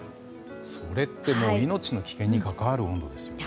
それって命の危険に関わる温度ですよね。